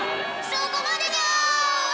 そこまでじゃ！